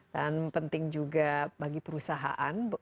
dan penting juga bagi perusahaan